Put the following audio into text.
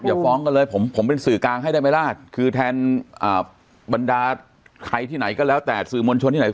ฟ้องกันเลยผมเป็นสื่อกลางให้ได้ไหมล่ะคือแทนบรรดาใครที่ไหนก็แล้วแต่สื่อมวลชนที่ไหน